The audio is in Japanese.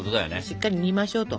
しっかり煮ましょうと。